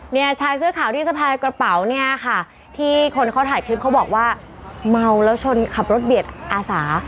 เนี่ยชายเสื้อขาวที่สะพายกระเป๋าเนี่ยค่ะที่คนเขาถ่ายคลิปเขาบอกว่าเมาแล้วชนขับรถเบียดอาสา